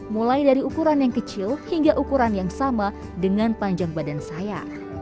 mulai dari ukuran yang kecil hingga ukuran yang sama dengan panjang badan saya